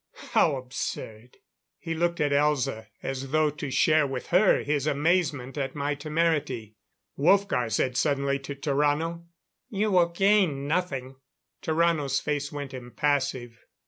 How absurd!" He looked at Elza, as though to share with her his amazement at my temerity. Wolfgar said suddenly to Tarrano: "You will gain nothing." Tarrano's face went impassive.